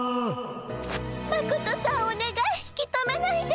マコトさんおねがい引き止めないで。